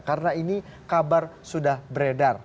karena ini kabar sudah beredar